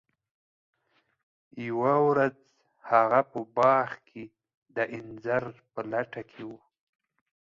یوه ورځ هغه په باغ کې د انځر په لټه کې و.